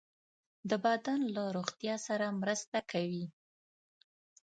د بدن له روغتیا سره مرسته کوي.